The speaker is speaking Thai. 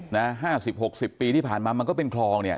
๕๐๖๐ปีที่ผ่านมามันก็เป็นคลองเนี่ย